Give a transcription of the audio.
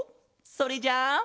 それじゃあ。